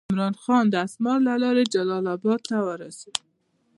عمرا خان د اسمار له لارې جلال آباد ته ورسېد.